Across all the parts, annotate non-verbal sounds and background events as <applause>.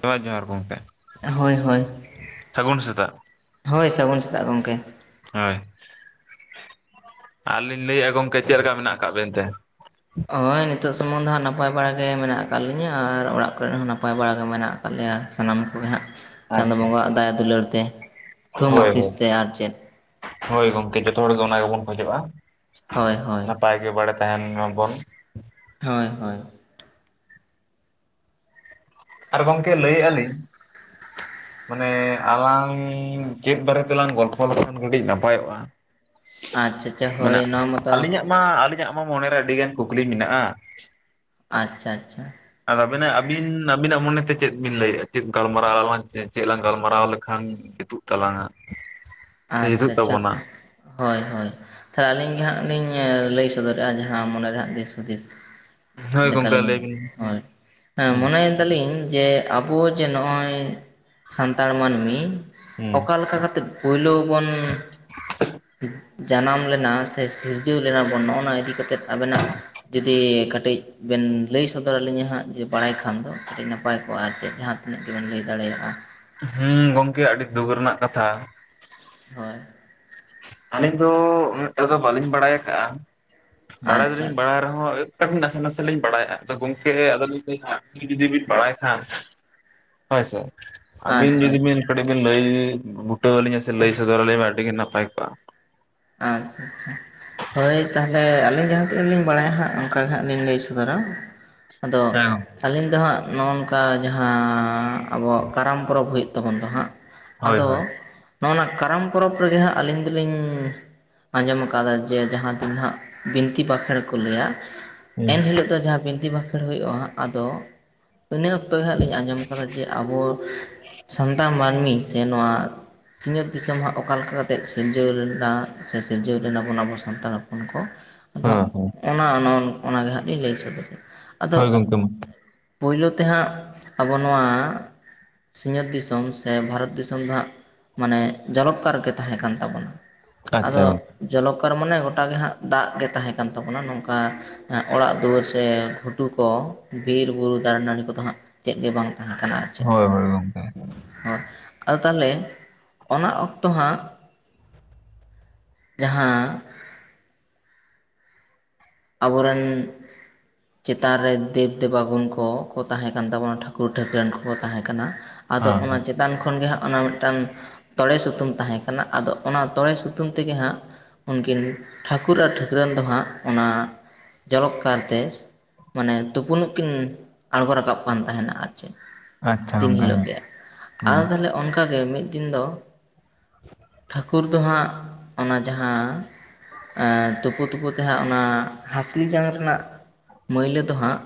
ᱡᱚᱦᱟᱨ ᱡᱚᱦᱟᱨ ᱜᱚᱢᱠᱮ ᱦᱳᱭ ᱦᱳᱭ᱾ ᱥᱟᱹᱜᱩᱱ ᱥᱮᱛᱟᱜ ᱦᱳᱭ ᱥᱟᱹᱜᱩᱱ ᱥᱮᱛᱟᱜ ᱜᱚᱢᱠᱮ᱾ ᱦᱳᱭ ᱟᱨ ᱞᱤᱧ ᱞᱟᱹᱭᱟ ᱜᱚᱢᱠᱮ ᱪᱮᱫ ᱞᱮᱠᱟ ᱢᱮᱱᱟᱜ ᱠᱟᱜ ᱵᱮᱱᱛᱮ? ᱦᱳᱭ ᱱᱤᱛᱚᱜ ᱥᱩᱢᱩᱝ ᱫᱚ ᱦᱟᱸᱜ ᱱᱟᱯᱟᱭ ᱵᱟᱲᱟᱟᱜ ᱜᱮ ᱢᱮᱱᱟᱜ ᱟᱠᱟᱫ ᱞᱤᱧᱟᱹ, ᱟᱨ ᱚᱲᱟᱜ ᱠᱚᱨᱮ ᱦᱚᱸ ᱱᱟᱯᱟᱭ ᱵᱟᱲᱟᱜ ᱜᱮ ᱢᱮᱱᱟᱜ ᱠᱚ ᱞᱮᱭᱟ ᱥᱟᱱᱟᱢ ᱠᱚᱜᱮ ᱦᱟᱸᱜ ᱪᱟᱸᱫᱚ ᱟᱪᱪᱷᱟ ᱵᱚᱸᱜᱟᱣᱟᱜ ᱫᱟᱭᱟ ᱫᱩᱞᱟᱹᱲ ᱛᱮ ᱛᱷᱩᱢ ᱦᱳᱭ ᱟᱥᱤᱥ ᱦᱳᱭ, ᱛᱮ ᱟᱨ ᱪᱮᱫ ᱦᱳᱭ ᱜᱚᱢᱠᱮ ᱡᱚᱛᱚ ᱦᱚᱲ ᱜᱮ ᱚᱱᱟ ᱜᱮᱵᱚᱱ ᱠᱷᱚᱡᱚᱜᱼᱟ᱾ ᱦᱳᱭ ᱦᱳᱭ᱾ ᱵᱷᱟᱜᱮ ᱵᱟᱲᱮ ᱛᱟᱦᱮᱱ ᱢᱟᱵᱚᱱ᱾ ᱦᱳᱭ ᱦᱳᱭ᱾ ᱟᱨ ᱜᱚᱢᱠᱮ ᱞᱟᱹᱭᱮᱜᱼᱟ ᱞᱤᱧ ᱢᱟᱱᱮ ᱟᱞᱟᱝ ᱪᱮᱫ ᱵᱟᱨᱮ ᱛᱮᱞᱟᱝ ᱜᱚᱞᱯᱷᱚ ᱞᱮᱠᱷᱟᱱ ᱠᱟᱹᱴᱤᱡ ᱱᱟᱯᱟᱭᱚᱜᱼᱟ᱾ ᱟᱪᱪᱷᱟ ᱪᱷᱟ ᱢᱟᱱᱮ ᱦᱳᱭ ᱚᱱᱟ ᱢᱟᱛᱚ ᱟᱹᱞᱤᱧᱟᱜ ᱢᱟ ᱟᱹᱞᱤᱧᱟᱜ ᱢᱟ ᱢᱚᱱᱮᱨᱮ ᱟᱹᱰᱤᱜᱟᱱ ᱠᱩᱠᱞᱤ ᱢᱮᱱᱟᱜᱼᱟ᱾ ᱟᱪᱪᱷᱟ ᱟᱪᱪᱷᱟ᱾ ᱟᱨ ᱛᱵᱤᱱᱟ ᱟᱹᱵᱤᱱ ᱟᱵᱤᱱᱟᱜ ᱢᱚᱱᱮᱛᱮ ᱪᱮᱫ ᱵᱤᱱ ᱞᱟᱹᱭᱮᱫᱼᱟ, ᱪᱮᱫ ᱜᱟᱞᱢᱟᱨᱟ ᱟᱞᱟᱝ ᱪᱮᱫ ᱞᱝ ᱜᱟᱞᱢᱟᱨᱟᱣ ᱞᱮᱠᱷᱟᱱ ᱡᱩᱛᱩᱜ ᱛᱟᱞᱟᱝᱼᱟ᱾ ᱟᱪᱪᱷᱟ ᱪᱷᱟ ᱦᱳᱭ ᱦᱳᱭ᱾ ᱛᱟᱦᱚᱞᱮ ᱟᱹᱞᱤᱧ ᱜᱮ ᱦᱟᱸᱜ ᱞᱤᱧ ᱞᱟᱹᱭ ᱥᱚᱫᱚᱨᱮᱜᱼᱟ ᱡᱟᱦᱟᱸ ᱢᱚᱱᱮᱨᱮᱦᱟᱸᱜ ᱫᱤᱥ ᱦᱩᱫᱤᱥ ᱦᱳᱭ ᱞᱮᱠᱟᱢ ᱜᱚᱢᱠᱮ ᱞᱤᱧ ᱞᱟᱹᱭ ᱵᱤᱱ ᱦᱳᱭ ᱦᱮᱸ ᱦᱩᱸ ᱢᱚᱱᱮ ᱫᱟᱞᱤᱧ ᱡᱮ ᱟᱵᱚ ᱡᱮ ᱱᱚᱜᱼᱚᱭ ᱠᱷᱟᱱᱛᱟᱲ ᱢᱟᱹᱱᱢᱤ ᱦᱩᱸ ᱚᱠᱟ ᱞᱮᱠᱟ ᱠᱟᱛᱮᱫ ᱯᱳᱭᱞᱳ ᱵᱚᱱ ᱡᱟᱱᱟᱢ ᱞᱮᱱᱟ, ᱥᱮ ᱥᱤᱨᱡᱟᱹᱣ ᱞᱮᱱᱟ ᱵᱚᱱ ᱱᱚᱜᱼᱚ ᱱᱚᱣᱟ ᱤᱫᱤ ᱠᱟᱛᱮᱫ ᱟᱵᱮᱱᱟᱜ ᱡᱩᱫᱤ ᱠᱟᱹᱴᱤᱡ ᱵᱮᱱ ᱞᱟᱹᱭ ᱥᱚᱫᱚᱨ ᱟᱹᱞᱤᱧᱟᱹ ᱦᱟᱸᱜ ᱡᱩᱫᱤ ᱵᱟᱲᱟᱭ ᱠᱷᱟᱱ ᱫᱚ ᱠᱟᱹᱴᱤᱡ ᱱᱟᱯᱟᱭ ᱠᱚᱜᱼᱟ᱾ ᱟᱨ ᱪᱮᱫ ᱡᱟᱦᱟᱸ ᱛᱤᱱᱟᱹᱜ ᱜᱮᱵᱮᱱ ᱞᱟᱹᱭ ᱫᱟᱲᱮᱭᱟᱜᱼᱟ, ᱦᱮᱸ ᱜᱚᱢᱠᱮ ᱟᱹᱰᱤ ᱫᱩᱠ ᱨᱮᱱᱟᱜ ᱠᱟᱛᱷᱟ᱾ ᱦᱳᱭ ᱟᱹᱞᱤᱧ ᱫᱚ ᱩᱱᱟᱹᱜᱴᱟ ᱫᱚ ᱵᱟᱹᱞᱤᱧ ᱵᱟᱲᱟᱭ ᱠᱟᱜᱼᱟ, ᱵᱟᱲᱟᱭ ᱟᱪᱪᱷᱟ ᱫᱚᱞᱤᱧ ᱟᱪᱪᱷᱟ ᱵᱟᱲᱟᱭ ᱨᱮᱦᱚᱸ ᱱᱟᱥᱮ ᱱᱟᱥᱮ ᱞᱤᱧ ᱵᱟᱲᱟᱭᱟ ᱟᱫᱚ ᱜᱚᱝᱠᱮ ᱟᱫᱚᱞᱤᱧ <inaudible> ᱡᱩᱫᱤ ᱵᱤᱱ ᱵᱟᱲᱟᱭ ᱠᱷᱟᱱ ᱦᱳᱭ ᱥᱮ ᱟᱹᱵᱤᱱ ᱟᱪᱪᱷᱟ ᱟᱪᱪᱷᱟ ᱡᱩᱫᱤ ᱵᱤᱱ ᱠᱟᱹᱴᱤᱡ ᱵᱤᱱ ᱞᱟᱹᱭ ᱵᱩᱴᱟᱹ ᱟᱹᱞᱤᱧᱟ ᱥᱮ ᱞᱟᱹᱭ ᱥᱚᱫᱚᱨ ᱟᱹᱞᱤᱧᱟ, ᱟᱹᱰᱤᱜ ᱱᱟᱯᱟᱭ ᱠᱚ ᱟᱪᱪᱷᱟ ᱟᱪᱪᱷᱟ ᱦᱳᱭ ᱛᱟᱦᱚᱞᱮ ᱟᱹᱞᱤᱧ ᱡᱟᱦᱟᱸ ᱛᱤᱱᱟᱹᱜ ᱞᱤᱧ ᱵᱟᱰᱟᱭᱟ ᱦᱟᱸᱜ ᱚᱱᱠᱟ ᱜᱮ ᱦᱟᱸᱜ ᱞᱤᱧ ᱞᱟᱹᱭ ᱥᱚᱫᱚᱨᱟ ᱟᱫᱚ <unintelligible> ᱟᱹᱞᱤᱧ ᱫᱚ ᱦᱟᱸᱜ ᱱᱚᱜᱚ ᱱᱚᱝᱠᱟ ᱡᱟᱦᱟᱸ ᱟᱵᱚᱣᱟᱜ ᱠᱟᱨᱟᱢ ᱯᱚᱨᱚᱵᱽ ᱦᱩᱭᱩᱜ ᱛᱟᱵᱚᱱ ᱫᱚ ᱦᱟᱸᱜ ᱦᱳᱭ ᱟᱫᱚ ᱦᱳᱭ ᱱᱚᱜᱚ ᱱᱟᱜ ᱠᱟᱨᱟᱢ ᱯᱚᱨᱚᱵᱽ ᱨᱮᱜᱮ ᱦᱟᱸᱜ ᱟᱹᱞᱤᱧ ᱫᱚᱞᱤᱧ ᱟᱸᱡᱚᱢ ᱟᱠᱟᱫᱟ ᱡᱮ ᱡᱟᱦᱟᱸ ᱫᱤᱱ ᱫᱚ ᱦᱟᱸᱜ ᱵᱤᱱᱛᱤ ᱵᱟᱸᱠᱷᱮᱬ ᱠᱚ ᱞᱟᱹᱭᱟ ᱦᱮᱸ ᱮᱱ ᱦᱤᱞᱳᱜ ᱫᱚ ᱡᱟᱦᱟᱸ ᱵᱤᱱᱛᱤ ᱵᱟᱸᱠᱷᱮᱬ ᱦᱩᱭᱩᱜ-ᱟ ᱟᱫᱚ ᱤᱱᱟᱹ ᱚᱠᱛᱚ ᱜᱮ ᱦᱟᱸᱜ ᱞᱤᱧ ᱟᱸᱡᱚᱢ ᱟᱠᱟᱫᱟ ᱡᱮ ᱟᱵᱚ ᱥᱟᱱᱛᱟᱲ ᱢᱟᱹᱱᱢᱤ ᱥᱮ ᱱᱚᱣᱟ ᱥᱤᱧᱚᱛ ᱫᱤᱥᱚᱢ ᱦᱟᱸᱜ ᱚᱠᱟ ᱞᱮᱠᱟ ᱠᱟᱛᱮᱫ ᱥᱤᱨᱡᱟᱹᱣ ᱞᱮᱱᱟ ᱥᱮ ᱥᱤᱨᱡᱟᱹᱣ ᱞᱮᱱᱟ ᱵᱚᱱ ᱟᱵᱚ ᱥᱟᱱᱛᱟᱲ ᱦᱚᱯᱚᱱ ᱠᱚ ᱟᱫᱚ ᱦᱚᱸᱜ-ᱚ ᱚᱱᱟ ᱚᱱᱟ ᱚᱱᱟ ᱜᱮ ᱦᱟᱸᱜ ᱞᱤᱧ ᱞᱟᱹᱭ ᱥᱚᱫᱚᱨ ᱦᱚᱭ ᱜᱚᱝᱠᱮ ᱢᱟ ᱯᱩᱭᱞᱩ ᱛᱮ ᱦᱟᱸᱜ ᱟᱵᱚ ᱱᱚᱣᱟ ᱥᱤᱧᱚᱛ ᱫᱤᱥᱚᱢ ᱥᱮ ᱵᱷᱟᱨᱚᱛ ᱫᱤᱥᱚᱢ ᱫᱚ ᱦᱟᱸᱜ ᱢᱟᱱᱮ ᱡᱚᱞᱚᱠᱠᱟᱨ ᱜᱮ ᱛᱟᱦᱮᱸ ᱠᱟᱱ ᱛᱟᱵᱚᱱᱟ᱾ ᱟᱪᱪᱷᱟ ᱟᱫᱚ ᱜᱚᱝᱠᱮ ᱡᱚᱞᱚᱠᱟᱨ ᱢᱟᱱᱮ ᱜᱚᱴᱟᱜ ᱜᱮ ᱦᱟᱸᱜ ᱫᱟᱜ ᱜᱮ ᱛᱟᱦᱮᱸ ᱠᱟᱱ ᱛᱟᱵᱚᱱᱟ, ᱱᱚᱝᱠᱟ ᱦᱮ ᱚᱲᱟᱜ ᱫᱩᱣᱟᱹᱨ ᱥᱮ ᱜᱷᱩᱴᱩ ᱠᱚ ᱵᱤᱨᱼᱵᱩᱨᱩ ᱫᱟᱨᱮᱼᱱᱟᱹᱲᱤ ᱠᱚᱫᱚ ᱦᱟᱸᱜ ᱪᱮᱫ ᱜᱮ ᱵᱟᱝ ᱛᱟᱸᱦᱟ ᱠᱟᱱᱟ᱾ ᱦᱳᱭ ᱦᱳᱭ ᱜᱚᱢᱠᱮ᱾ ᱦᱮ ᱟᱫᱚ ᱛᱟᱦᱚᱞᱮ ᱚᱱᱟ ᱚᱠᱛᱚ ᱦᱟᱸᱜ ᱡᱟᱦᱟᱸ ᱟᱵᱚᱨᱮᱱ ᱪᱮᱛᱟᱱ ᱨᱮ ᱫᱮᱵᱽ ᱫᱮᱵᱟᱜᱚᱱ ᱠᱚ ᱠᱚ ᱛᱟᱦᱮᱸ ᱠᱟᱱ ᱛᱟᱵᱚᱱᱟ ᱴᱷᱟᱹᱠᱩᱨ ᱴᱷᱟᱹᱠᱨᱟᱹᱱ ᱠᱚᱠᱚ ᱛᱟᱦᱮᱸ ᱠᱟᱱᱟ ᱟᱫᱚ ᱚᱱᱟ ᱦᱮᱸ ᱪᱮᱛ ᱪᱮᱛᱟᱱ ᱠᱷᱚᱱ ᱜᱮ ᱦᱟᱸᱜ ᱚᱱᱟ ᱢᱤᱫᱴᱟᱝ ᱛᱚᱲᱮ ᱥᱩᱛᱟᱹᱢ ᱛᱟᱦᱮᱸ ᱠᱟᱱᱟ ᱟᱫᱚ ᱚᱱᱟ ᱛᱚᱲᱮ ᱥᱩᱛᱟᱹᱢ ᱛᱮᱜᱮ ᱦᱟᱸᱜ ᱩᱱᱠᱤᱱ ᱴᱷᱟᱹᱠᱩᱨ ᱟᱨ ᱴᱷᱟᱹᱠᱨᱟᱹᱱ ᱫᱚ ᱦᱟᱸᱜ ᱚᱱᱟ ᱡᱚᱨᱚᱠ ᱠᱟᱨᱛᱮ ᱢᱟᱱᱮ ᱛᱩᱯᱩᱱᱩᱜ ᱠᱤᱱ ᱟᱸᱬᱜᱚ ᱨᱟᱠᱟᱵ ᱠᱟᱱ ᱛᱟᱦᱮᱱᱟ ᱟᱨ ᱪᱮᱫ ᱟᱪᱪᱷᱟ ᱫᱤᱱ ᱜᱚᱝᱠᱮ ᱦᱤᱞᱳᱜ ᱦᱮᱸ ᱜᱮ ᱦᱮᱸ ᱟᱫᱚ ᱛᱟᱦᱚᱞᱮ ᱚᱱ ᱠᱟ ᱜᱮ ᱢᱤᱫ ᱫᱤᱱ ᱫᱚ ᱴᱷᱟᱹᱠᱩᱨ ᱫᱚ ᱦᱟᱸᱜ ᱚᱱᱟ ᱡᱟᱦᱟᱸ ᱮᱸ ᱛᱩᱯᱩ ᱛᱩᱯᱩ ᱛᱮ ᱦᱟᱸᱜ ᱚᱱᱟ ᱦᱟᱸᱥᱞᱤ ᱡᱟᱝ ᱨᱮᱱᱟᱜ ᱢᱟᱹᱭᱞᱟᱹ ᱫᱚ ᱦᱟᱸᱜ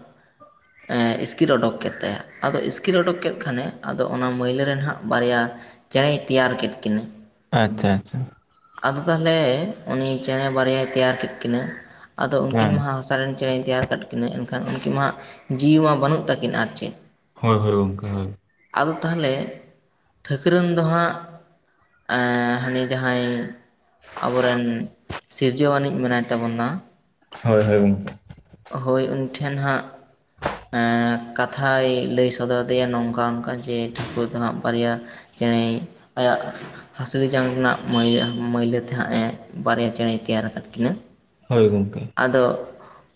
ᱮᱜ ᱤᱥᱠᱤᱨ ᱚᱰᱚᱠ ᱠᱮᱫ ᱛᱟᱭᱟ ᱟᱫᱚ ᱤᱥᱠᱤᱨ ᱚᱰᱚᱠ ᱠᱮᱫ ᱠᱷᱟᱱᱮ ᱟᱫᱚ ᱚᱱᱟ ᱢᱟᱹᱭᱞᱟᱹ ᱨᱮ ᱦᱟᱸᱜ ᱵᱟᱨᱭᱟ ᱪᱮᱬᱮᱭ ᱛᱮᱭᱟᱨ ᱠᱮᱫ ᱠᱤᱱᱟᱭ ᱟᱪᱪᱷᱟ ᱟᱪᱪᱷᱟ ᱟᱫᱚ ᱛᱟᱦᱚᱞᱮ ᱩᱱᱤ ᱪᱮᱬᱮ ᱵᱟᱨᱭᱟᱭ ᱛᱮᱭᱟᱨ ᱠᱮᱫ ᱠᱤᱱᱟᱹ ᱟᱫᱚ ᱩᱱᱠᱤᱱ ᱦᱮᱸ ᱢᱟᱦᱟᱸᱜ ᱥᱟᱨᱮᱱ ᱪᱮᱬᱮᱭ ᱛᱮᱭᱟᱨ ᱠᱟᱫ ᱠᱤᱱᱟᱹ ᱮᱱᱠᱷᱟᱱ ᱩᱱᱠᱤᱱ ᱢᱟ ᱡᱤᱣᱤ ᱢᱟ ᱵᱟᱹᱱᱩᱜ ᱛᱟᱹᱠᱤᱱᱟ ᱟᱨ ᱪᱮᱫ ᱦᱳᱭ ᱦᱳᱭ ᱜᱚᱝᱠᱮ ᱦᱳᱭ ᱟᱫᱚ ᱛᱟᱦᱚᱞᱮ ᱴᱷᱟᱹᱠᱨᱟᱹᱱ ᱫᱚ ᱦᱟᱸᱜ ᱮᱸ ᱦᱟᱱᱤ ᱡᱟᱸᱦᱟᱸᱭ ᱟᱵᱚᱨᱮᱱ ᱥᱤᱨᱡᱟᱹᱣᱟᱱᱤᱡ ᱢᱮᱱᱟᱭ ᱛᱟᱵᱚᱱᱟ ᱦᱳᱭ ᱦᱳᱭ ᱜᱚᱢᱠᱮ ᱦᱳᱭ ᱩᱱᱤᱴᱷᱮᱱ ᱦᱟᱸᱜ ᱮ ᱠᱟᱛᱷᱟᱭ ᱞᱟᱹᱭ ᱥᱚᱫᱚᱨ ᱟᱫᱮᱭᱟ ᱱᱚᱝᱠᱟ ᱚᱱᱠᱟ ᱡᱮ ᱴᱷᱟᱹᱠᱩᱨ ᱫᱚ ᱦᱟᱸᱜ ᱵᱟᱨᱭᱟ ᱪᱮᱸᱬᱮᱭ ᱟᱭᱟᱜ ᱦᱟᱹᱥᱞᱤ ᱡᱟᱝ ᱨᱮᱱᱟᱜ ᱢᱟᱹᱭᱞᱟᱹ ᱛᱮ ᱦᱟᱸᱜ ᱮ ᱵᱟᱨᱭᱟ ᱪᱮᱬᱮᱭ ᱛᱮᱭᱟᱨ ᱠᱟᱫ ᱠᱤᱱᱟᱹ ᱦᱳᱭ ᱜᱚᱢᱠᱮ ᱟᱫᱚ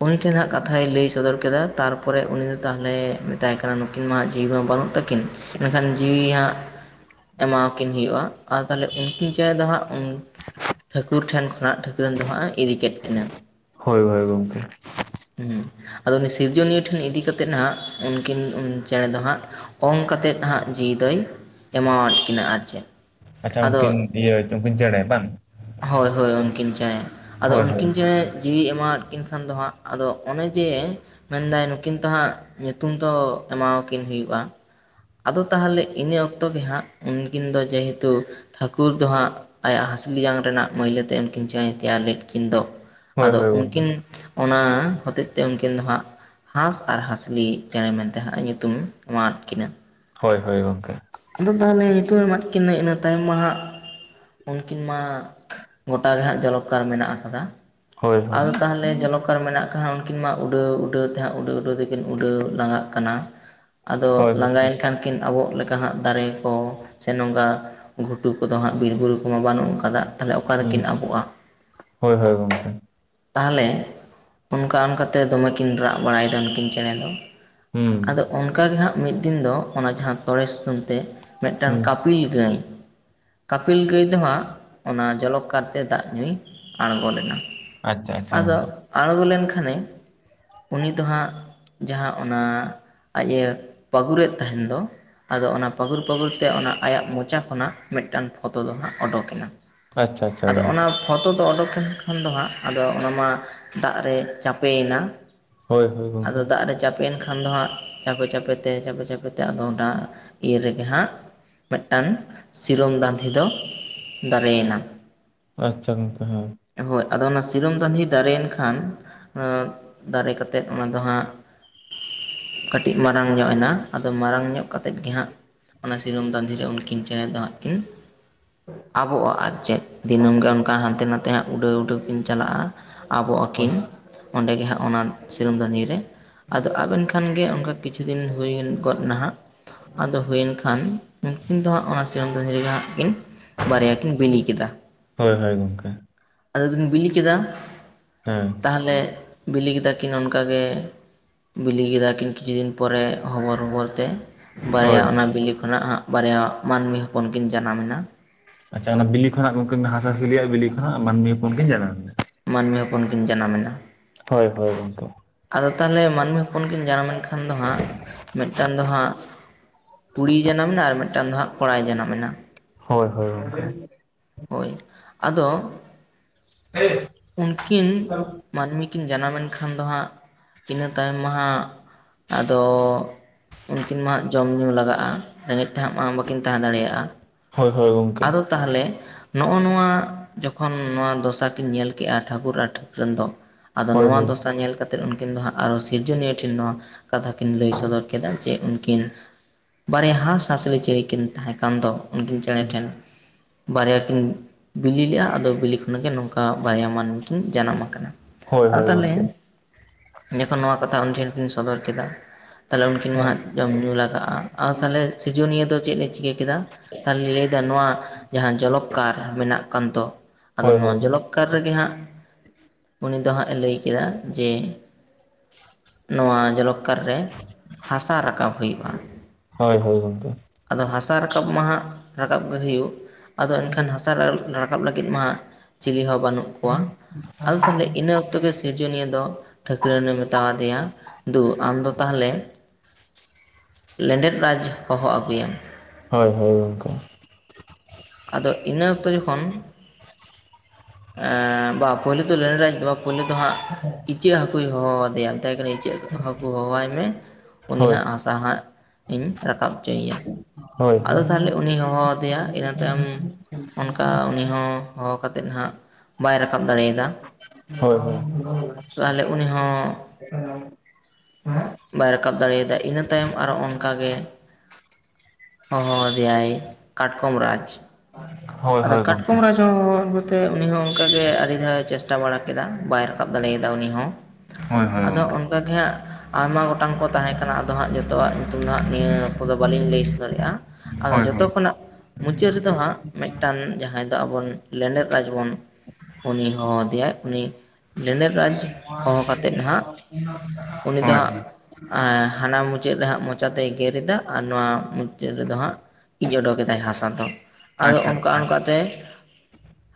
ᱩᱱᱤ ᱴᱷᱮᱱ ᱦᱟᱸᱜ ᱠᱟᱛᱷᱟᱭ ᱞᱟᱹᱭ ᱥᱚᱫᱚᱨ ᱠᱮᱫᱟ ᱛᱟᱨᱯᱚᱨᱮ ᱩᱱᱤ ᱫᱚ ᱛᱟᱦᱚᱞᱮ ᱢᱮᱛᱟᱭ ᱠᱟᱱᱟ ᱱᱩᱠᱤᱱ ᱢᱟ ᱦᱟᱸᱜ ᱡᱤᱣᱤ ᱢᱟ ᱵᱟᱹᱱᱩᱜ ᱛᱟᱠᱤᱱ ᱢᱮᱱᱠᱷᱟᱱ ᱡᱤᱣᱤ ᱦᱟᱸᱜ ᱮᱢᱟᱣᱟᱠᱤᱱ ᱦᱩᱭᱩᱜ-ᱟ ᱟᱫᱚ ᱛᱟᱦᱚᱞᱮ ᱩᱱᱠᱤᱱ ᱪᱮᱸᱬᱮ ᱫᱚ ᱦᱟᱸᱜ ᱴᱷᱟᱹᱠᱩᱨ ᱴᱷᱮᱱ ᱠᱷᱚᱱᱟᱜ ᱴᱷᱟᱹᱠᱩᱨᱟᱱ ᱫᱚ ᱦᱟᱸᱜ ᱮ ᱤᱫᱤ ᱠᱮᱫ ᱠᱤᱱᱟ ᱦᱳᱭ ᱦᱳᱭ ᱜᱚᱝᱠᱮ ᱩ ᱟᱫᱚ ᱩᱱᱤ ᱥᱤᱨᱡᱚᱱᱤᱭᱟᱹ ᱴᱷᱮᱱ ᱤᱫᱤ ᱠᱟᱛᱮ ᱦᱟᱸᱜ ᱩᱱᱠᱤᱱ ᱪᱮᱸᱬᱮ ᱫᱚ ᱦᱟᱸᱜ ᱚᱸᱝ ᱠᱟᱛᱮᱫ ᱦᱟᱸᱜ ᱡᱤᱣᱤ ᱫᱚᱭ ᱮᱢᱟᱣᱟᱫ ᱠᱤᱱᱟ ᱟᱨ ᱪᱮᱫ ᱟᱪᱪᱷᱟ ᱟᱫᱚ ᱩᱱᱠᱤᱱ ᱤᱭᱟᱹ ᱩᱱᱠᱤᱱ ᱪᱮᱬᱮ ᱵᱟᱝ ᱦᱳᱭ ᱦᱳᱭ ᱩᱱᱠᱤᱱ ᱪᱮᱸᱬᱮ ᱟᱫᱚ ᱦᱳᱭ ᱦᱳᱭ ᱩᱱᱠᱤᱱ ᱪᱮᱸᱬᱮ ᱡᱤᱣᱤ ᱮᱢᱟᱣᱟᱫ ᱠᱤᱱ ᱠᱷᱟᱱ ᱫᱚ ᱦᱟᱸᱜ ᱟᱫᱚ ᱚᱱᱮ ᱡᱮ ᱢᱮᱱᱫᱟᱭ ᱱᱩᱠᱤᱱ ᱛᱚ ᱦᱟᱸᱜ ᱧᱩᱛᱩᱢ ᱛᱚ ᱮᱢᱟᱣᱠᱤᱱ ᱦᱩᱭᱩᱜᱼᱟ ᱟᱫᱚ ᱛᱟᱦᱚᱞᱮ ᱤᱱᱟᱹ ᱚᱠᱛᱚ ᱜᱮ ᱦᱟᱸᱜ ᱩᱱᱠᱤᱱ ᱫᱚ ᱡᱮᱦᱮᱛᱩ ᱴᱷᱟᱹᱠᱩᱨ ᱫᱚ ᱦᱟᱸᱜ ᱟᱭᱟᱜ ᱦᱟᱹᱥᱞᱤ ᱡᱟᱝ ᱨᱮᱱᱟᱜ ᱢᱟᱹᱭᱞᱟᱹ ᱛᱮ ᱩᱱᱠᱤᱱ ᱪᱮᱸᱬᱮ ᱛᱮᱭᱟᱨ ᱞᱮᱫ ᱠᱤᱱ ᱫᱚ ᱦᱳᱭ ᱟᱫᱚ ᱦᱳᱭ ᱜᱚᱝᱠᱮ ᱩᱱᱠᱤᱱ ᱚᱱᱟ ᱦᱚᱛᱮᱡ ᱛᱮ ᱩᱱᱠᱤᱱ ᱫᱚ ᱦᱟᱸᱜ ᱦᱟᱸᱥ ᱟᱨ ᱦᱟᱸᱥᱞᱤ ᱪᱮᱸᱬᱮ ᱢᱮᱱᱛᱮ ᱦᱟᱸᱜ ᱧᱩᱛᱩᱢ ᱮᱢᱟ ᱟᱫ ᱠᱤᱱᱟᱹ ᱦᱳᱭ ᱦᱳᱭ ᱜᱚᱝᱠᱮ ᱟᱫᱚ ᱛᱟᱦᱚᱞᱮ ᱧᱩᱛᱩᱢᱮ ᱮᱢᱟᱫ ᱠᱤᱱᱟᱹ ᱤᱱᱟᱹ ᱛᱟᱭᱚᱢ ᱢᱟ ᱦᱟᱸᱜ ᱩᱱᱠᱤᱱ ᱢᱟ ᱜᱚᱴᱟ ᱜᱮ ᱦᱟᱸᱜ ᱡᱚᱞᱚᱜᱠᱟᱨ ᱢᱮᱱᱟᱜ ᱟᱠᱟᱫᱟ ᱦᱳᱭ ᱦᱳᱭ ᱟᱫᱚ ᱛᱟᱦᱚᱞᱮ ᱡᱚᱞᱚᱠᱟᱨ ᱢᱮᱱᱟᱜ ᱠᱷᱟᱱ ᱩᱱᱠᱤᱱ ᱢᱟ ᱩᱰᱟᱹᱣ ᱩᱰᱟᱹᱣ ᱛᱮ ᱦᱟᱸᱜ ᱩᱰᱟᱹᱣ ᱛᱮᱠᱤᱱ ᱩᱰᱟᱹᱣ ᱞᱟᱸᱜᱟᱜ ᱠᱟᱱᱟ ᱟᱫᱚ ᱦᱳᱭ ᱦᱳᱭ ᱞᱟᱸᱜᱟᱭᱮᱱ ᱠᱷᱟᱱ ᱠᱤᱱ ᱟᱵᱚ <inaudible> ᱦᱟᱸᱜ ᱫᱟᱨᱮ ᱠᱚ ᱥᱮ ᱱᱚᱝᱠᱟ ᱜᱷᱩᱴᱩ ᱠᱚᱫᱚ ᱦᱟᱸᱜ ᱵᱤᱨ ᱵᱩᱨᱩ ᱠᱚᱢᱟ ᱵᱟᱹᱱᱩᱜ ᱟᱠᱟᱫᱟ ᱚᱠᱟ ᱦᱩᱸ ᱨᱮᱠᱤᱱ ᱟᱵᱚᱜᱼᱟ ᱦᱳᱭ ᱦᱳᱭ ᱜᱚᱝᱠᱮ ᱛᱟᱦᱚᱞᱮ ᱚᱱᱠᱟ ᱚᱱᱠᱟᱛᱮ ᱫᱚᱢᱮ ᱠᱤᱱ ᱨᱟᱜ ᱵᱟᱲᱟᱭᱮᱫᱟ ᱱᱩᱠᱤᱱ ᱪᱮᱬᱮ ᱫᱚ ᱦᱚᱸᱻ ᱟᱫᱚ ᱚᱱᱠᱟᱜ ᱜᱮ ᱦᱟᱸᱜ ᱢᱤᱫ ᱫᱤᱱ ᱫᱚ ᱚᱱᱟ ᱡᱟᱦᱟᱸ ᱛᱚᱲᱮ ᱥᱩᱛᱟᱹᱢ ᱛᱮ ᱢᱤᱫᱴᱟᱝ ᱦᱩᱸ ᱠᱟᱯᱤᱞ ᱜᱟᱹᱭ ᱠᱟᱯᱤᱞ ᱜᱟᱹᱭ ᱫᱚ ᱦᱟᱸᱜ ᱚᱱᱟ ᱡᱚᱞᱚᱠᱚᱨ ᱛᱮ ᱫᱟᱜ ᱧᱩᱭ ᱟᱬᱜᱚ ᱞᱮᱱᱟ ᱟᱪᱪᱷᱟ ᱟᱪᱪᱷᱟ ᱟᱫᱚ ᱜᱚᱝᱠᱮ ᱟᱸᱬᱜᱚ ᱞᱮᱱᱠᱷᱟᱱᱮ ᱩᱱᱤ ᱫᱚ ᱦᱟᱸᱜ ᱡᱟᱦᱟᱸ ᱚᱱᱟ ᱟᱡᱽ ᱮ ᱯᱟᱹᱜᱩᱨᱮᱫ ᱛᱟᱦᱮᱱ ᱫᱚ ᱟᱫᱚ ᱚᱱᱟ ᱯᱟᱹᱜᱲ ᱯᱟᱹᱜᱩᱨ ᱛᱮ ᱚᱱᱟ ᱟᱭᱟᱜ ᱢᱚᱪᱟ ᱠᱷᱚᱱᱟᱜ ᱢᱤᱫᱴᱟᱝ ᱯᱷᱚᱛᱚ ᱫᱚ ᱦᱟᱸᱜ ᱚᱰᱳᱠᱮᱱᱟ ᱟᱪᱪᱷᱟ ᱟᱪᱪᱷᱟ ᱟᱫᱚ ᱜᱚᱝᱠᱮ ᱚᱱᱟᱵ ᱯᱷᱚᱛᱚᱫ ᱫᱚ ᱚᱰᱚᱠ ᱮᱱ ᱠᱷᱟᱱ ᱫᱚ ᱦᱟᱸᱜ ᱟᱫᱚ ᱚᱱᱟ ᱢᱟ ᱫᱟᱜ ᱨᱮ ᱪᱟᱯᱮᱭ ᱮᱱᱟ ᱦᱳᱭ ᱦᱳᱭ ᱟᱫᱚ ᱜᱚᱝᱠᱮ ᱫᱟᱜ ᱨᱮ ᱪᱟᱯᱮᱱ ᱠᱷᱟᱱ ᱫᱚ ᱦᱟᱸᱜ ᱪᱟᱯᱮ ᱪᱟᱯᱮ ᱛᱮ ᱪᱟᱯᱮ ᱪᱟᱯᱮ ᱛᱮ ᱟᱫᱚ ᱰᱟᱸ ᱤᱱ ᱨᱮᱜᱮ ᱦᱟᱸᱜ ᱢᱤᱫᱴᱟᱱ ᱥᱤᱨᱚᱢ ᱫᱟᱸᱫᱷᱤ ᱫᱚ ᱫᱟᱨᱮᱭᱮᱱᱟ ᱟᱪᱷᱟ ᱜᱚᱝᱠᱮ ᱦᱳᱭ ᱦᱳᱭ ᱟᱫᱚ ᱚᱱᱟ ᱥᱤᱨᱚᱢ ᱛᱟᱸᱫᱷᱤ ᱫᱟᱨᱮᱭᱮᱱ ᱠᱷᱟᱱ <inaudible> ᱫᱟᱨᱮ ᱠᱟᱛᱮᱫ ᱚᱱᱟ ᱫᱚ ᱦᱟᱸᱜ ᱠᱟᱹᱴᱤᱜᱽ ᱢᱟᱨᱟᱝ ᱧᱚᱜ ᱮᱱᱟ ᱟᱫᱚ ᱢᱟᱨᱟᱝ ᱧᱚᱜ ᱠᱟᱛᱮ ᱜᱮ ᱦᱟᱸᱜ ᱚᱱᱟ ᱥᱤᱨᱚᱢ ᱫᱟᱸᱫᱤᱨᱮ ᱩᱱᱠᱤᱱ ᱪᱮᱸᱬᱮ ᱫᱚ ᱦᱟᱸᱜ ᱠᱤᱱ ᱟᱵᱚᱜᱼᱟ ᱟᱨ ᱪᱮᱫ ᱫᱤᱱᱟᱹᱢ ᱜᱮ ᱚᱱᱠᱟ ᱦᱟᱱᱛᱮ ᱱᱟᱛᱮ ᱦᱟᱸᱜ ᱩᱰᱟᱹᱣ ᱩᱰᱟᱹᱣ ᱠᱤᱱ ᱪᱟᱞᱟᱜᱼᱟ ᱟᱵᱚ ᱦᱳᱭ ᱟᱹᱠᱤᱱ ᱚᱸᱰᱮᱜᱮᱦᱟᱸᱜ ᱚᱱᱟ ᱥᱤᱨᱟᱹᱢ ᱫᱦᱟᱺᱫᱤᱨ ᱨᱮ ᱟᱫᱚ ᱟᱹᱵᱮᱱ ᱠᱷᱟᱱ ᱜᱮ ᱚᱱᱠᱟ ᱠᱤᱪᱷᱩ ᱫᱤᱱ ᱦᱩᱭ ᱜᱚᱫ ᱱᱟᱦᱟᱜ ᱟᱫᱚ ᱦᱩᱭᱮᱱ ᱠᱷᱟᱱ ᱩᱱᱠᱤᱱ ᱫᱚ ᱦᱟᱸᱜ ᱚᱱᱟ ᱥᱤᱨᱚᱢ ᱫᱤᱨ ᱨᱮᱜᱮ ᱦᱟᱸᱜ ᱠᱤᱱ ᱵᱟᱨᱭᱟ ᱠᱤᱱ ᱵᱤᱱᱤ ᱠᱮᱫᱟ ᱦᱳᱭ ᱦᱳᱭ ᱜᱚᱝᱠᱮ ᱟᱫᱚ ᱠᱤᱱ ᱵᱤᱞᱤ ᱠᱮᱫᱟ ᱦᱚᱸᱻ ᱛᱟᱦᱚᱞᱮ ᱵᱤᱞᱤ ᱠᱮᱫᱟ ᱠᱤᱱ ᱚᱱᱠᱟ ᱜᱮ ᱵᱤᱞᱤ ᱠᱮᱫᱟ ᱠᱤᱱ ᱠᱤᱪᱷᱤ ᱫᱤᱱ ᱯᱚᱨᱮ ᱦᱚᱵᱚᱨ ᱦᱚᱵᱚᱨ ᱛᱮ ᱵᱟᱨᱭᱟ ᱦᱳᱭ ᱚᱱᱟ ᱵᱤᱞᱤ ᱠᱷᱚᱱᱟᱜ ᱦᱟᱸᱜ ᱵᱟᱨᱭᱟ ᱢᱟᱹᱱᱢᱤ ᱦᱚᱯᱚᱱ ᱠᱤᱱ ᱡᱟᱱᱟᱢᱮᱱᱟ᱾ ᱟᱪᱷᱟ ᱚᱱᱟ ᱵᱤᱞᱤ ᱠᱷᱚᱱᱟᱜ ᱜᱚᱝᱠᱮ ᱦᱟᱸᱥ ᱦᱟᱹᱥᱤᱞᱤᱭᱼᱟ ᱵᱤᱞᱤ ᱠᱷᱚᱱᱟᱜ ᱢᱟᱹᱱᱢᱤ ᱦᱚᱯᱚᱱ ᱠᱤᱱ ᱡᱟᱱᱟᱢ ᱮᱱᱟ ᱢᱟᱹᱱᱢᱤ ᱦᱚᱯᱚᱱ ᱠᱤᱱ ᱡᱟᱱᱟᱢ ᱮᱱᱟ ᱦᱳᱭ ᱜᱚᱝᱠᱮ ᱟᱫᱚ ᱛᱟᱦᱚᱞᱮ ᱢᱟᱹᱱᱢᱤ ᱦᱚᱯ ᱦᱚᱯᱚᱱ ᱠᱤᱱ ᱡᱟᱱᱟᱢ ᱞᱮᱱ ᱠᱷᱟᱱ ᱫᱚ ᱦᱟᱸᱜ ᱢᱤᱫᱴᱟᱝ ᱫᱚ ᱦᱟᱸᱜ ᱠᱩᱲᱤᱭ ᱡᱟᱱᱟᱢ ᱮᱱᱟ ᱟᱨ ᱢᱤᱫ ᱢᱤᱫᱴᱟᱝ ᱫᱚ ᱦᱟᱸᱜ ᱠᱚᱲᱟᱭ ᱡᱟᱱᱟᱢ ᱢᱮᱱᱟ ᱦᱳᱭ ᱦᱳᱭ ᱜᱚᱝᱠᱮ ᱦᱳᱭ ᱟᱫᱚ ᱦᱮ <unintelligible> ᱩᱱᱠᱤᱱ ᱢᱟᱹᱱᱢᱤ ᱠᱤᱱ ᱡᱟᱱᱟᱢ ᱮᱱ ᱱᱠᱷᱟᱱ ᱫᱚ ᱦᱟᱸᱜ ᱤᱱᱟᱹ ᱛᱟᱭᱚᱢ ᱢᱟ ᱦᱟᱸᱜ ᱟᱫᱚ ᱩᱱᱠᱤᱱ ᱢᱟ ᱦᱟᱜ ᱡᱚᱢ ᱧᱩ ᱞᱟᱜᱟᱜ-ᱟ ᱨᱮᱜᱮᱡ ᱛᱮᱦᱟᱜ ᱢᱟ ᱵᱟᱹᱠᱤᱱ ᱛᱟᱦᱮ ᱫᱟᱲᱮᱭᱟᱜ-ᱟ ᱦᱳᱭ ᱦᱳᱭ ᱜᱚᱝᱠᱮ ᱛᱟᱦᱚᱞᱮ ᱱᱚᱜ-ᱚ ᱱᱚᱣᱟ ᱡᱚᱠᱷᱚᱱ ᱱᱚᱣᱟ ᱫᱚᱥᱟ ᱠᱤᱱ ᱧᱮᱞ ᱠᱮᱜ-ᱟ ᱴᱷᱟᱠᱩᱨ ᱟᱨ ᱴᱷᱟᱹᱠᱨᱟᱹᱱ ᱫᱚ ᱟᱫᱚ ᱦᱳᱭ ᱱᱚᱣᱟ ᱦᱳᱭ ᱫᱚᱥᱟ ᱧᱮᱞ ᱠᱟᱛᱮ ᱩᱱᱠᱤᱱ ᱫᱚ ᱦᱟᱸᱜ ᱟᱨᱚ ᱥᱤᱨᱡᱚᱱᱤᱭᱟᱹ ᱴᱷᱮᱱ ᱱᱚᱣᱟ ᱠᱟᱛᱷᱟ ᱠᱤᱱ ᱞᱟᱹᱭ ᱥᱚᱫᱚᱨ ᱠᱮᱫᱟ ᱡᱮ ᱩᱱᱠᱤᱱ ᱵᱟᱨᱭᱟ ᱦᱟᱸᱥᱼᱦᱟᱸᱥᱞᱤ ᱪᱮᱬᱮ ᱠᱤᱱ ᱛᱟᱦᱮ ᱠᱟᱱ ᱫᱚ ᱩᱱᱠᱤᱱ ᱪᱮᱬᱮ ᱴᱷᱮᱱ ᱵᱟᱨᱭᱟ ᱠᱤᱱ ᱵᱤᱞᱤ ᱞᱮᱫ-ᱟ ᱟᱫᱚ ᱵᱤᱞᱤ ᱠᱷᱚᱱᱟᱜ ᱜᱮ ᱱᱚᱝᱠᱟ ᱵᱟᱨᱭᱟ ᱢᱟᱹᱱᱢᱤ ᱠᱤᱱ ᱡᱟᱱᱟᱢ ᱟᱠᱟᱱᱟ ᱦᱳᱭ ᱟ ᱦᱳᱭ ᱜᱚᱝᱠᱮ ᱛᱟᱞᱤᱧ ᱡᱚᱠᱷᱚᱱ ᱱᱚᱣᱟ ᱠᱟᱛᱷᱟ ᱩᱱ ᱴᱷᱮᱱ ᱠᱤᱱ ᱥᱚᱫᱚᱨ ᱠᱮᱫᱟ ᱛᱟᱦᱚᱞᱮ ᱩᱱᱠᱤᱱ ᱢᱟ ᱦᱟᱜ ᱡᱚᱢ ᱧᱩ ᱞᱟᱜᱟᱜ-ᱟ ᱟᱨ ᱛᱟᱦᱚᱞᱮ ᱥᱤᱨᱤᱡᱚᱱᱤᱭᱟᱹ ᱫᱚ ᱪᱮᱫ ᱮ ᱪᱤᱠᱟᱹ ᱠᱮᱫᱟ ᱛᱟᱦᱚᱞᱮᱧ ᱞᱟᱹᱭᱮᱫᱟ ᱱᱚᱣᱟ ᱡᱟᱦᱟ ᱡᱚᱞᱚᱠᱠᱟᱨ ᱢᱮᱱᱟᱜ ᱠᱟᱱ ᱛᱚ ᱟᱫᱚ ᱦᱳᱭ ᱱᱚᱣᱟ ᱦᱳᱭ ᱡᱚᱞᱚᱠ ᱥᱚᱨᱠᱟᱨ ᱨᱮᱜᱮ ᱦᱟᱜ ᱩᱱᱤ ᱫᱚ ᱦᱟᱜ ᱮ ᱞᱟᱹᱭ ᱠᱮᱫᱟ ᱡᱮ ᱱᱚᱣᱟ ᱡᱚᱞᱚᱠᱠᱟᱨ ᱨᱮ ᱦᱟᱥᱟ ᱨᱟᱠᱟᱵ ᱦᱩᱭᱩᱜ-ᱟ ᱦᱳᱭ ᱦᱳᱭ ᱜᱚᱝᱠᱮ ᱟᱫᱚ ᱦᱟᱥᱟ ᱨᱟᱠᱟᱵ ᱢᱟ ᱦᱟᱜ ᱨᱟᱠᱟᱵ ᱜᱮ ᱦᱩᱭᱩᱜ ᱟᱫᱚ ᱮᱱᱠᱷᱟᱱ ᱦᱟᱥᱟ ᱨᱟᱠᱟ ᱨᱟᱠᱟᱵ ᱞᱟᱹᱜᱤᱫ ᱢᱟ ᱪᱤᱞᱤ ᱦᱚ ᱵᱟᱹᱱᱩᱜ ᱠᱚᱣᱟ ᱟᱫᱚ ᱛᱟᱦᱚᱞᱮ ᱤᱱᱟᱹ ᱚᱠᱛᱚ ᱜᱮ ᱥᱤᱨᱡᱚᱱᱤᱭᱟᱹ ᱫᱚ ᱴᱷᱟᱹᱠᱨᱟᱹᱱᱮ ᱢᱮᱛᱟᱣ ᱫᱮᱭᱟ ᱫᱩ ᱟᱢ ᱫᱚ ᱛᱟᱦᱚᱞᱮ ᱞᱮᱸᱰᱮᱫ ᱨᱟᱡᱽ ᱦᱚᱦᱚ ᱟᱹᱜᱩ ᱮᱢ ᱦᱳᱭ ᱦᱳᱭ ᱜᱚᱝᱠᱮ ᱟᱫᱚ ᱤᱱᱟᱹ ᱚᱠᱛᱚ ᱡᱚᱠᱷᱚᱱ ᱵᱟ ᱯᱳᱭᱞᱳ ᱫᱚ ᱞᱮᱰᱮᱡᱽ ᱵᱟ ᱯᱳᱭᱞᱳ ᱫᱚ ᱦᱟᱜ ᱤᱪᱟᱹᱜ ᱦᱟᱹᱠᱩᱭ ᱦᱚᱦᱚ ᱟᱫᱮᱭᱟ ᱢᱮᱛᱟᱭ ᱠᱟᱱᱟ ᱤᱪᱟᱹᱜ ᱦᱟᱹᱠᱩ ᱦᱚᱦᱚᱣᱟᱭ ᱢᱮ ᱩᱱᱤ ᱦᱳᱭ ᱦᱟᱜ ᱦᱟᱥᱟ ᱦᱟᱜ ᱤᱧ ᱨᱟᱠᱟᱵ ᱦᱚᱪᱚᱭᱮᱭᱟ ᱦᱳᱭ ᱟᱫᱚ ᱛᱟᱦᱚᱞᱮ ᱩᱱᱤ ᱦᱚᱦᱚ ᱟᱫᱮᱭᱟ ᱤᱱᱟᱹ ᱛᱟᱭᱚᱢ ᱚᱱᱠᱟ ᱩᱱᱤ ᱦᱚ ᱦᱚᱦᱚ ᱠᱟᱛᱮᱫ ᱦᱟᱜ ᱵᱟᱭ ᱨᱟᱠᱟᱵ ᱫᱟᱲᱮᱭᱟᱛ ᱦᱳᱭ ᱦᱳᱭ ᱛᱟᱦᱚᱞᱮ ᱩᱱᱤ ᱦᱚᱸ ᱵᱟᱭ ᱨᱟᱠᱟᱵ ᱫᱟᱲᱮᱭᱟᱫᱟ ᱤᱱᱟᱹ ᱛᱟᱭᱚᱢ ᱟᱨᱚ ᱚᱱᱠᱟᱜᱮ ᱦᱚᱦᱚ ᱫᱮᱭᱟᱭ ᱠᱟᱴᱠᱚᱢ ᱨᱟᱡᱽ ᱦᱳᱭ ᱟᱫᱚ ᱦᱳᱭ ᱜᱚᱝᱠᱮ ᱠᱟᱴᱠᱚᱢ ᱨᱟᱡᱽ ᱠᱟᱛᱮ ᱩᱱᱤ ᱦᱚ ᱚᱱᱠᱟᱜ ᱜᱮ ᱟᱹᱰᱤ ᱫᱷᱟᱣᱮ ᱪᱮᱥᱴᱟ ᱵᱟᱲᱟ ᱠᱮᱫᱟ ᱵᱟᱭ ᱨᱟ ᱨᱟᱠᱟᱵ ᱫᱟᱲᱮᱭᱟᱫᱟ ᱩᱱᱤ ᱦᱚ ᱦᱳᱭ ᱦᱳᱭ ᱟᱫᱚ ᱜᱚᱝᱠᱮ ᱚᱱᱠᱟᱜᱮ ᱦᱟᱜ ᱟᱭᱢᱟ ᱜᱚᱴᱟᱝ ᱠᱚ ᱛᱟᱦᱮ ᱠᱟᱱᱟ ᱟᱫᱚ ᱦᱟᱜ ᱡᱚᱛᱚᱣᱟᱜ ᱧᱩᱛᱩᱢ ᱫᱚ ᱦᱟᱜ ᱱᱤᱭᱟᱹ ᱚᱠᱛᱚ ᱫᱚ ᱵᱟᱹᱞᱤᱧ ᱞᱟᱹᱭ ᱥᱚᱫᱚᱨᱮᱭᱟᱜ-ᱟ ᱟᱫᱚ ᱦᱳᱭ ᱡᱚᱛᱚ ᱦᱳᱭ ᱠᱷᱚᱱᱟᱜ ᱢᱩᱪᱟᱹᱫ ᱨᱮᱫᱚ ᱦᱟᱜ ᱢᱤᱫᱴᱟᱱ ᱡᱟᱦᱟᱭ ᱫᱚ ᱟᱵᱚ ᱞᱮᱸᱰᱮᱫ ᱨᱟᱡᱽ ᱵᱚᱱ ᱩᱱᱤ ᱦᱚᱦᱚ ᱟᱫᱮᱭᱟᱭ ᱩᱱᱤ ᱞᱮᱸᱰᱮᱡ ᱨᱟᱡᱽ ᱦᱚᱦᱚ ᱠᱟᱛᱮᱫ ᱦᱟᱜ ᱦᱳᱭ ᱦᱳᱭ ᱦᱟᱱᱟ ᱢᱩᱪᱟᱹᱫ ᱨᱮ ᱦᱟᱜ ᱢᱚᱪᱟᱛᱮᱭ ᱜᱮᱨ ᱮᱫᱟ ᱟᱨ ᱱᱚᱣᱟ ᱨᱮᱫᱚ ᱦᱟᱜ ᱤᱡ ᱚᱰᱚᱠ ᱮᱫᱟᱭ ᱦᱟᱥᱟ ᱫᱚ ᱟᱫᱚ ᱟᱪᱪᱷᱟ ᱚᱱᱠᱟ ᱟᱪᱪᱷᱟ ᱚᱱᱠᱟᱛᱮ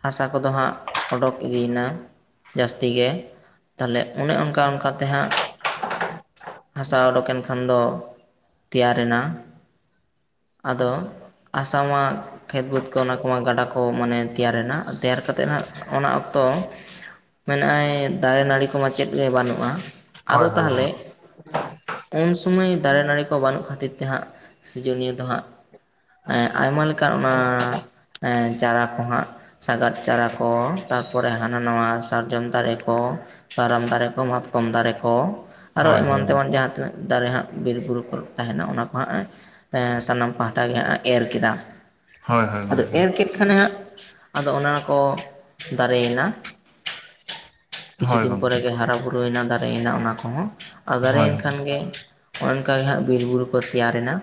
ᱦᱟᱥᱟ ᱠᱚᱫᱚ ᱦᱟᱜ ᱚᱰᱳᱠ ᱤᱫᱤᱭᱮᱱᱟ ᱡᱟᱹᱥᱛᱤ ᱜᱮ ᱛᱟᱦᱚᱞᱮ ᱚᱱᱮ ᱚᱱᱠᱟ ᱚᱱᱠᱟ ᱛᱮ ᱦᱟᱜ ᱦᱟᱥᱟ ᱩᱰᱩᱠᱮᱱ ᱠᱷᱟᱱ ᱫᱚ ᱛᱮᱭᱟᱨ ᱮᱱᱟ ᱟᱫᱚ ᱟᱥᱟᱢ ᱢᱟ ᱠᱷᱮᱛ ᱵᱟᱹᱫᱽ ᱠᱚ ᱚᱱᱟ ᱠᱚᱢᱟ ᱜᱟᱰᱟ ᱠᱚ ᱢᱟᱱᱮ ᱛᱮᱭᱟᱨᱮᱱᱟ ᱛᱮᱭᱟᱨ ᱠᱟᱛᱮᱫ ᱦᱟᱜ ᱚᱱᱟ ᱚᱠᱛᱚ ᱢᱮᱱᱟᱜ-ᱟ ᱫᱟᱨᱮ ᱱᱟᱹᱲᱤ ᱠᱚᱢᱟ ᱪᱮᱫ ᱜᱮ ᱵᱟᱹᱱᱩᱜ-ᱟ ᱦᱳᱭ ᱦᱳᱭ ᱛᱟᱦᱚᱞᱮ ᱜᱚᱝᱠᱮ ᱩᱱ ᱥᱚᱢᱚᱭ ᱫᱟᱨᱮ ᱱᱟᱹᱲᱤ ᱠᱚ ᱵᱟᱹᱱᱩᱜ ᱠᱷᱟᱹᱛᱤᱨ ᱛᱮ ᱦᱟᱜ ᱥᱤᱨᱡᱚᱱᱤᱭᱟᱹ ᱫᱚ ᱦᱟᱜ ᱟᱭᱢᱟ ᱞᱮᱠᱟᱱ ᱚᱱᱟ ᱪᱟᱨᱟ ᱠᱚᱦᱟᱜ ᱥᱟᱜᱟᱫ ᱪᱟᱨᱟ ᱠᱚ ᱛᱟᱨᱯᱚᱨᱮ ᱦᱟᱱᱟ ᱱᱟᱣᱟ ᱥᱟᱨᱡᱚᱢ ᱫᱟᱨᱮ ᱠᱚ ᱠᱟᱨᱟᱢ ᱫᱟᱨᱮ ᱠᱚ ᱢᱟᱛᱠᱚᱢ ᱫᱟᱨᱮ ᱠᱚ ᱟᱨᱚ ᱦᱳᱭ ᱮᱢᱟᱱ ᱦᱳᱭ ᱜᱚᱝᱠᱮ ᱛᱮᱢᱟᱱ ᱡᱟᱦᱟ ᱛᱤᱱᱟᱹᱜ ᱫᱟᱨᱮ ᱦᱟᱜ ᱵᱤᱨ ᱵᱩᱨᱩ ᱠᱚᱨᱮ ᱛᱟᱦᱮᱱᱟ ᱚᱱᱟ ᱠᱚ ᱦᱟᱜ ᱥᱟᱱᱟᱢ ᱯᱟᱦᱴᱟ ᱜᱮ ᱦᱟᱜ ᱮᱨ ᱠᱮᱫᱟ ᱦᱳᱭ ᱦᱳᱭ ᱟᱫᱚ ᱜᱚᱝᱠᱮ ᱮᱨ ᱠᱮᱫ ᱠᱷᱟᱱᱮ ᱦᱟᱜ ᱟᱫᱚ ᱚᱱᱟ ᱠᱚ ᱫᱟᱨᱮᱭᱮᱱᱟ ᱠᱤᱪᱷᱩ ᱦᱳᱭ ᱫᱤᱱ ᱯᱚᱨᱮ ᱜᱚᱝᱠᱮ ᱜᱮ ᱦᱟᱨᱟ ᱵᱩᱨᱩ ᱦᱳᱲᱳᱭᱱᱟ ᱫᱟᱨᱮᱭᱱᱟ ᱚᱱᱟ ᱠᱚᱦᱚᱸ ᱾ ᱟ ᱦᱳᱭ ᱫᱟᱨᱮᱱᱮ ᱠᱷᱟᱱ ᱜᱮ ᱱᱚᱠᱟᱜᱮ ᱦᱟᱸᱜ ᱵᱤᱨᱵᱩᱨᱩ ᱠᱚ ᱛᱮᱭᱟᱨᱮᱱᱟ ᱾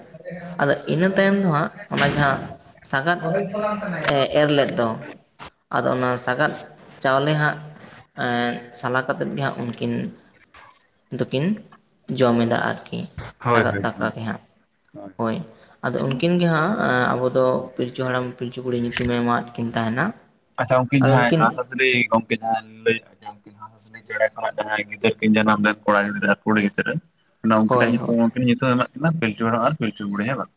ᱟᱫᱚ ᱤᱱᱟᱹ ᱛᱟᱭᱚᱢ ᱫᱚ ᱦᱟᱸᱜ ᱚᱱᱟ ᱡᱟᱦᱟᱸ ᱥᱟᱜᱟᱫ ᱮ ᱮᱨ ᱞᱮᱫ ᱫᱚ ᱼᱼ ᱟᱫᱚ ᱚᱱᱟ ᱥᱟᱜᱟᱫ ᱪᱟᱣᱞᱮ ᱦᱟᱸᱜ ᱥᱟᱞᱟ ᱠᱟᱛᱮᱫ ᱜᱮ ᱦᱟᱸᱜ ᱩᱱᱠᱤᱱ ᱫᱚᱠᱤᱱ ᱡᱚᱢ ᱮᱫᱟ ᱟᱨᱠᱤ ᱦᱳᱭ ᱥᱟᱜᱟᱫ ᱦᱳᱭ ᱫᱟᱠᱟ ᱜᱮ ᱦᱟᱸᱜ ᱦᱳᱭ ᱟᱫᱚ ᱩᱱᱠᱤᱱ ᱜᱮ ᱦᱟᱸᱜ ᱟᱵᱚ ᱫᱚ ᱯᱤᱞᱪᱩ ᱦᱟᱲᱟᱢ ᱯᱤᱞᱪᱩ ᱵᱩᱲᱤ ᱧᱩᱛᱩᱢᱮ ᱮᱢᱟᱫ ᱠᱤᱱ ᱛᱟᱦᱮᱱᱟ ᱾ ᱟᱪᱪᱷᱟ ᱩᱱᱠᱤᱱ ᱦᱮᱸ ᱦᱟᱸᱥᱼᱦᱟᱸᱥᱞᱤ ᱜᱚᱝ ᱡᱟᱦᱟ ᱞᱟᱹᱭ ᱡᱟᱦᱟ ᱦᱟᱸᱥ ᱦᱟᱸᱥᱞᱤ ᱪᱮᱬᱮ ᱠᱷᱟᱱᱟᱜ ᱡᱟᱦᱟᱭ ᱜᱤᱫᱽᱨᱟᱹ ᱠᱤᱱ ᱡᱟᱱᱟᱢ ᱞᱮᱱ ᱠᱚᱲᱟ ᱜᱤᱫᱽᱨᱟᱹ ᱠᱩᱲᱤ ᱜᱤᱫᱽᱨᱟᱹ ᱱᱚᱝᱠᱤᱱᱟᱜ ᱦᱳᱭ ᱧᱩᱛᱩᱢ ᱦᱳᱭ ᱦᱩᱠᱤᱱ ᱧᱩᱛᱩᱢ ᱮᱢᱟᱜ ᱠᱟᱱᱟ ᱯᱤᱞᱪᱩ ᱦᱟᱲᱟᱢ ᱟᱨ ᱯᱤᱞᱪᱩ ᱵᱩᱲᱦᱤ ᱦᱮᱸ ᱵᱟᱝ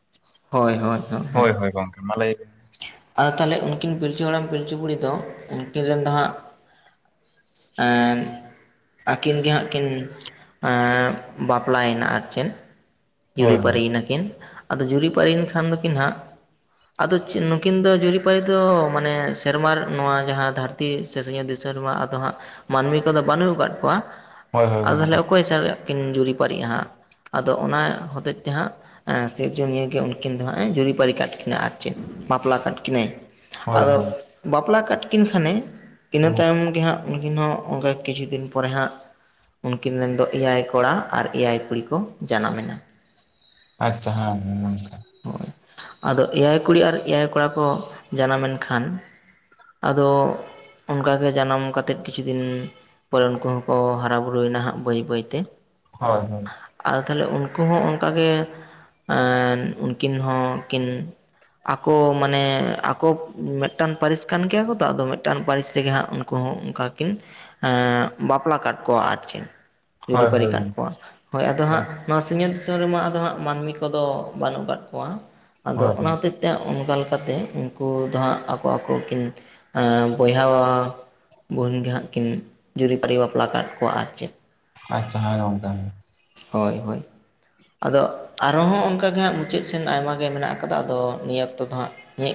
ᱦᱳᱭ ᱦᱳᱭ ᱾ ᱦᱮᱸ ᱦᱳᱭ ᱦᱳᱭ ᱜᱚᱝᱠᱮ ᱢᱟ ᱞᱟᱹᱭ ᱵᱮᱱ ᱾ ᱟᱫᱚ ᱛᱟᱞᱮ ᱩᱱᱠᱤᱱ ᱯᱤᱞᱪᱩ ᱦᱟᱲᱟᱢ ᱯᱤᱞᱪᱩ ᱵᱩᱲᱤ ᱫᱚ ᱩᱱᱠᱤᱱ ᱨᱮᱱ ᱫᱚ ᱦᱟᱸᱜ ᱟᱹᱠᱤᱱ ᱜᱮ ᱦᱟᱸᱜ ᱠᱤᱱ ᱵᱟᱯᱞᱟᱭᱮᱱᱟ ᱟᱨ ᱪᱮᱱ ᱾ ᱦᱳᱭ ᱦᱳᱭ ᱡᱩᱨᱤᱯᱟᱨᱤ ᱱᱟᱠᱤᱱ ᱟᱫᱚ ᱡᱩᱨᱤᱯᱟᱨᱤᱭᱮᱱ ᱠᱷᱟᱱ ᱫᱚᱠᱤᱱ ᱦᱟᱸᱜ ᱟᱫᱚ ᱱᱩᱠᱤᱱ ᱫᱚ ᱡᱩᱨᱤᱯᱟᱹᱨᱤ ᱫᱚ ᱢᱟᱱᱮ ᱥᱮᱨᱢᱟ ᱱᱚᱣᱟ ᱡᱟᱦᱟᱸ ᱫᱷᱟᱹᱨᱛᱤ ᱛᱤ ᱥᱮᱥᱮᱝ ᱮ ᱫᱤᱥᱚᱨᱢᱟ ᱟᱫᱚ ᱦᱟᱸᱜ ᱢᱟᱹᱱᱢᱤ ᱠᱚᱫᱚ ᱵᱟᱹᱱᱩ ᱠᱟᱫ ᱠᱚᱣᱟ ᱦᱳᱭ ᱦᱳᱭ ᱾ ᱟᱫᱚ ᱛᱟᱞᱦᱮ ᱜᱚᱝᱠᱮ ᱚᱠᱚᱭ ᱪᱟᱞᱟᱜ ᱠᱤᱱ ᱡᱩᱨᱤᱯᱟᱨᱤᱜᱼᱟ ᱦᱟᱸᱜ ᱟᱫᱚ ᱚᱱᱟ ᱦᱚᱛᱮᱡ ᱛᱮ ᱦᱟᱸᱜ ᱥᱤᱨᱡᱚᱱᱤᱭᱟᱹ ᱜᱮ ᱩᱱᱠᱤᱱ ᱫᱚ ᱦᱟᱸᱜ ᱡᱩᱨᱤᱯᱟᱨᱤ ᱠᱟᱜ ᱠᱤᱱᱟ ᱾ ᱠᱤᱱᱟᱹᱜ ᱟᱨ ᱪᱮᱜ ᱵᱟᱯᱞᱟ ᱠᱟᱜ ᱠᱤᱱᱟᱹᱭ ᱦᱳᱭ ᱟᱫᱚ ᱦᱳᱭ ᱵᱟᱯᱞᱟ ᱠᱟᱜ ᱠᱤᱱ ᱠᱷᱟᱱᱮ ᱤᱱᱟᱹ ᱛᱟᱭᱚᱢ ᱜᱮ ᱦᱟᱸᱜ ᱩᱱᱠᱤᱱ ᱦᱚᱸ ᱚᱱᱠᱟ ᱠᱤᱪᱷᱩ ᱫᱤᱱ ᱯᱚᱨᱮ ᱦᱟᱸᱜ ᱩᱱᱠᱤᱱ ᱨᱮᱱ ᱫᱚ ᱮᱭᱟᱭ ᱠᱚᱲᱟ ᱟᱨ ᱮᱭᱟᱭ ᱠᱩᱲᱤ ᱠᱚ ᱡᱟᱱᱟᱢᱮᱱᱟ ᱾ ᱟᱪ ᱦᱳᱭ ᱟᱫᱚ ᱮᱭᱟᱭ ᱠᱩᱲᱤ ᱟᱨ ᱮᱭᱟᱭ ᱠᱚᱲᱟ ᱠᱚ ᱡᱟᱱᱟᱢᱮᱱ ᱠᱷᱟᱱ ᱟᱫᱚ ᱚᱱᱠᱟᱜᱮ ᱡᱟᱱᱟᱢ ᱠᱟᱛᱮᱫ ᱠᱤᱪᱷᱩ ᱫᱤᱱ ᱾ ᱯᱚᱨᱮ ᱩᱱᱠᱩ ᱦᱚᱸᱠᱚ ᱦᱟᱨᱟ ᱵᱩᱨᱩᱭ ᱱᱟᱦᱟᱸᱜ ᱵᱟᱹᱭ ᱵᱟᱹᱭᱛᱮ ᱾ ᱦᱳᱭ ᱦᱳᱭ ᱟᱫᱚ ᱛᱟᱞᱮ ᱩᱱᱠᱩ ᱦᱚᱸ ᱚᱱᱠᱟᱜᱮ ᱩᱱᱠᱤᱱ ᱦᱚᱸᱠᱤᱱ ᱾ ᱟᱠᱚ ᱢᱟᱱᱮ ᱟᱠᱚ ᱢᱤᱫᱴᱟᱝ ᱯᱟᱹᱨᱤᱥ ᱾ ᱠᱟᱱ ᱜᱮᱭᱟ ᱠᱚ ᱛᱚ ᱟᱫᱚ ᱢᱤᱫᱴᱟᱝ ᱯᱟᱹᱨᱤᱥ ᱨᱮᱜᱮ ᱦᱟᱸᱜ ᱩᱱᱠᱩ ᱦᱚᱸ ᱚᱱᱠᱟ ᱠᱤᱱ ᱵᱟᱯᱞᱟ ᱠᱟᱜ ᱠᱚᱣᱟ ᱟᱨ ᱪᱮᱱ ᱦᱳᱭ ᱡᱩᱨᱤᱼᱯᱟᱹᱨᱤ ᱦᱳᱭ ᱠᱟᱜ ᱜᱚᱝᱠᱮ ᱠᱚᱣᱟ ᱾ ᱦᱳᱭ ᱟᱫᱚ ᱦᱟᱸᱜ ᱱᱚᱣᱟ ᱥᱤᱧᱚᱛ ᱫᱤᱥᱚᱢ ᱨᱮᱢᱟ ᱟᱫᱚ ᱦᱟᱸᱜ ᱢᱟᱹᱱᱢᱤ ᱠᱚᱫᱚ ᱵᱟᱹᱱᱩᱜ ᱟᱠᱟᱫ ᱠᱚᱣᱟ ᱾ ᱟᱫᱚ ᱦᱳᱭ ᱚᱱᱟ ᱦᱳᱭ ᱦᱚᱛᱮᱡ ᱛᱮ ᱚᱱᱠᱟ ᱞᱮᱠᱟᱛᱮ ᱩᱱᱠᱩ ᱫᱚ ᱦᱟᱸᱜ ᱟᱠᱚ ᱟᱠᱚ ᱠᱤᱱ ᱵᱚᱭᱦᱟᱣᱟ ᱵᱩᱦᱩᱱ ᱜᱮ ᱦᱟᱸᱜ ᱠᱤᱱ ᱡᱩᱨᱤᱼᱯᱟᱹᱨᱤ ᱵᱟᱯᱞᱟ ᱠᱟᱫ ᱠᱚᱣᱟ ᱟᱨ ᱪᱮᱜ ᱾ ᱟᱪᱪᱷᱟ ᱦᱮᱸ ᱜᱚᱝᱠᱮ ᱦᱳᱭ ᱦᱳᱭ ᱟᱫᱚ ᱟᱨ ᱦᱚᱸ ᱚᱱᱠᱟ ᱜᱮ ᱦᱟᱸᱜ ᱢᱩᱪᱟᱹᱫ ᱥᱮᱱ ᱟᱭᱢᱟ ᱜᱮ ᱢᱮᱱᱟᱜ ᱟᱠᱟᱫᱟ ᱟᱫᱚ ᱱᱤᱭᱟᱹ ᱚᱠᱛᱚ ᱫᱚ ᱦᱟᱸᱜ ᱱᱤᱭᱟᱹ